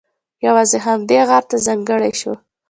یوازې همدې غار ته ځانګړی شو.